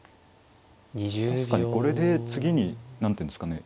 確かにこれで次に何ていうんですかね